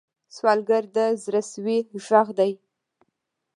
سوالګر د زړه سوې غږ دی